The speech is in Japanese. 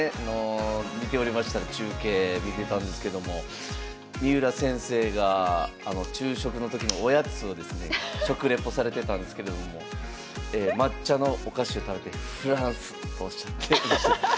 見ておりました中継見てたんですけども三浦先生が昼食の時のおやつをですね食レポされてたんですけれども抹茶のお菓子を食べて「フランス」とおっしゃっていました。